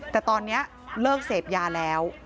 แต่ตอนนี้เลิกเสพยาแล้ว